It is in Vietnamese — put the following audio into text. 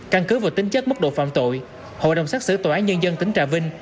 căn cứ vào tính chất mức độ phạm tội hội đồng xác xử tòa án nhân dân tỉnh trà vinh